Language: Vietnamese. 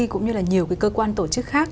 cũng như là nhiều cái cơ quan tổ chức khác